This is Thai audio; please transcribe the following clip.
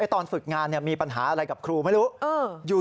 ตอนฝึกงานมีปัญหาอะไรกับครูไม่รู้